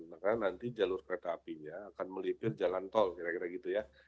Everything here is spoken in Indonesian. maka nanti jalur kereta apinya akan melipir jalan tol kira kira gitu ya